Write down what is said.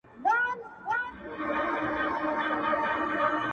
دا په وينو روزل سوی چمن زما دی!!